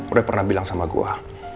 udah pernah bilang sama gue